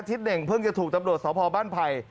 เน่งเพิ่งจะถูกตำรวจสพบ้านไผ่